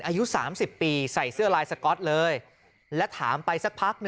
อายุ๓๐ปีใส่เสื้อลายสก๊อตเลยและถามไปสักพัก